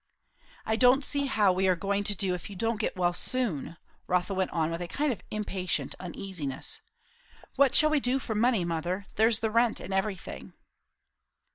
"I don't see how we are going to do, if you don't get well soon," Rotha went on with a kind of impatient uneasiness. "What shall we do for money, mother? there's the rent and everything."